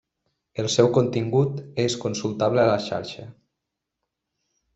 El seu contingut és consultable a la xarxa.